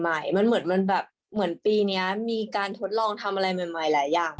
มันเหมือนปีนี้มีการทดลองทำอะไรใหม่หลายอย่าง